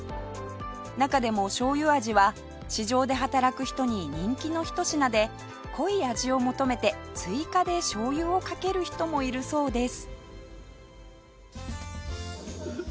中でも醤油味は市場で働く人に人気の一品で濃い味を求めて追加で醤油をかける人もいるそうです